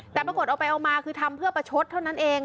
แต่ปรากฏเอาไปเอามาคือทำเพื่อประชดเท่านั้นเอง